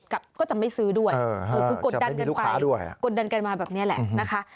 ก็จะไม่ซื้อด้วยกดดันกันมาแบบนี้แหละนะคะ